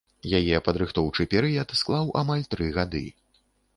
Яе падрыхтоўчы перыяд склаў амаль тры гады.